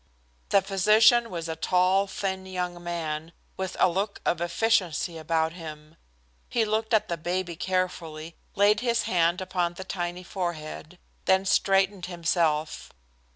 The physician was a tall, thin, young man, with a look of efficiency about him. He looked at the baby carefully, laid his hand upon the tiny forehead, then straightened himself.